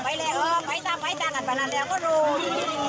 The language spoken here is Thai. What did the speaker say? ไปเลยเออไอ้จังไอ้จังไอ้จังไอ้จังไอ้ลูก